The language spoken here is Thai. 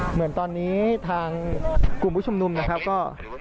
เหมือนตอนนี้ทางกลุ่มผู้ชุมนุมนะครับก็